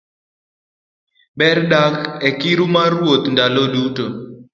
Ber dak e kiru mar Ruoth ndalo duto